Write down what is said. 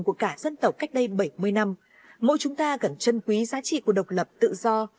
của cả dân tộc cách đây bảy mươi năm mỗi chúng ta cần trân quý giá trị của độc lập tự do